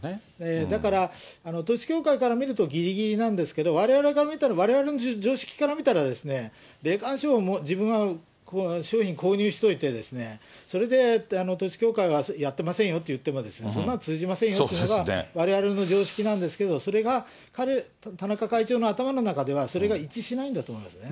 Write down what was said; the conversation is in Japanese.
だから、統一教会から見るとぎりぎりなんですけど、われわれが見たら、われわれの常識から見たらですね、霊感商法、自分は商品購入しといて、それで統一教会はやってませんよって言っても、そんなの通じませんよというのが、われわれの常識なんですけど、それが、田中会長の頭の中では、それが一致しないんだと思いますね。